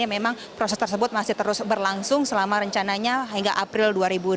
memang proses tersebut masih terus berlangsung selama rencananya hingga april dua ribu delapan belas